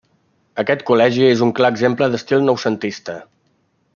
Aquest col·legi és un clar exemple d'estil noucentista.